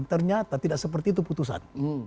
ternyata tidak seperti itu putusan